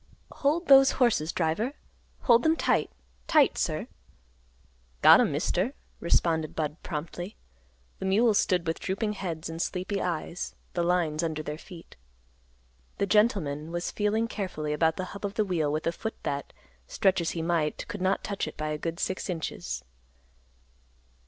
"Hold those horses, driver. Hold them tight; tight, sir." "Got 'em, Mister," responded Budd promptly. The mules stood with drooping heads and sleepy eyes, the lines under their feet. The gentleman was feeling carefully about the hub of the wheel with a foot that, stretch as he might, could not touch it by a good six inches.